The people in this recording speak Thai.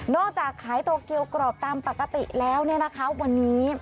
นอกจากขายโตเกียวกรอบตามปกติแล้ววันนี้